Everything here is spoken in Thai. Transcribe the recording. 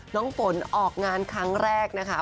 น้องฝนออกงานครั้งแรกนะคะ